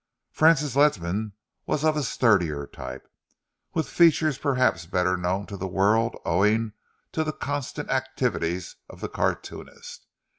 Francis Ledsam was of a sturdier type, with features perhaps better known to the world owing to the constant activities of the cartoonist.